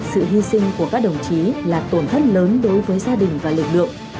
sự hy sinh của các đồng chí là tổn thất lớn đối với gia đình và lực lượng